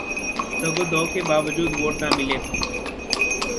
تگ و دو کے باوجود ووٹ نہ ملے